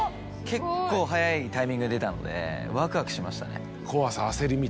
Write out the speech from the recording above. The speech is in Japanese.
結構早いタイミングで出たのでワクワクしましたね。